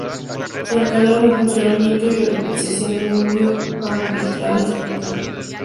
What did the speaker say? Se encarga del funcionamiento y organización del mundo arbitral español.